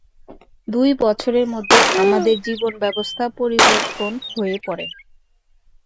দুই বছরের মধ্যে, আমাদের জীবনব্যবস্থা পরিবর্তন হয়ে পড়ে।